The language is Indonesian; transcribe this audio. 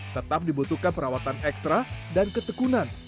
tetap dibutuhkan perawatan ekstra dan ketekunan